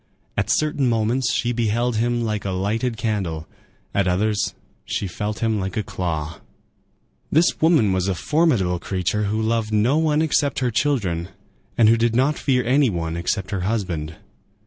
At certain moments she beheld him like a lighted candle; at others she felt him like a claw. This woman was a formidable creature who loved no one except her children, and who did not fear any one except her husband.